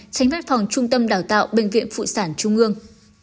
tránh văn phòng trung tâm đào tạo bệnh viện phụ sản trung ương